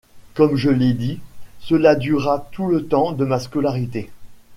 Comme je l’ai dit, cela dura tout le temps de ma scolarité.